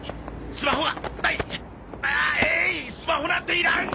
スマホなんていらん！